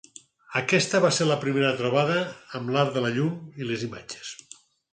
Aquesta va ser la seva primera trobada amb l'art de la llum i les imatges.